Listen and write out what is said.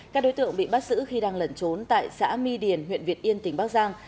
các đối tượng bị bắt giữ khi đang lẩn trốn tại xã my điền huyện việt yên tỉnh bắc giang